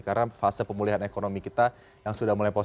karena fase pemulihan ekonomi kita yang sudah mulai polos